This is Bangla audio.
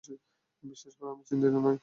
বিশ্বাস করো আমি চিন্তিত নই।